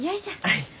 はい。